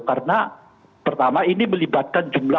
karena pertama karena ini adalah perusahaan yang diperlukan